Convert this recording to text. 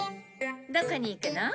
どこに行くの？